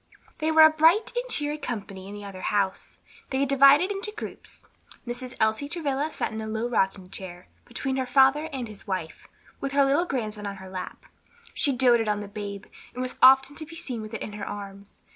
They were a bright and cheery company in the other house. They had divided into groups. Mrs. Elsie Travilla sat in a low rocking chair, between her father and his wife, with her little grandson on her lap. She doated on the babe, and was often to be seen with it in her arms.